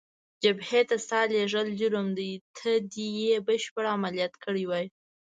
جبهې ته ستا لېږل جرم دی، ته دې یې بشپړ عملیات کړی وای.